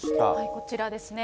こちらですね。